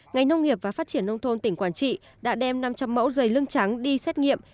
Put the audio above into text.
ngành nông nghiệp và phát triển nông thôn tỉnh quảng trị đã đem năm trăm linh mẫu dày lưng trắng đi xét nghiệm